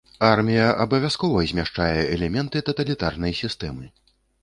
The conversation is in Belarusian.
Армія абавязкова змяшчае элементы таталітарнай сістэмы.